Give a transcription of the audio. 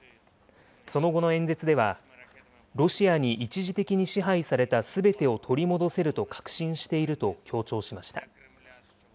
その後の演説では、ロシアに一時的に支配されたすべてを取り戻せると確信していると強調しました。